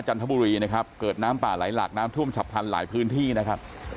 ทบุรีนะครับเกิดน้ำป่าไหลหลากน้ำท่วมฉับพลันหลายพื้นที่นะครับ